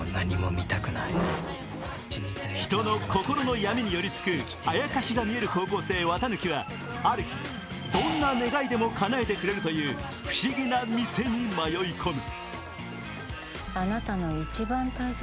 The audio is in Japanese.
人の心の闇に寄りつくアヤカシが見える高校生・四月一日はある日どんな願いでもかなえてくれるという不思議なミセに迷い込む。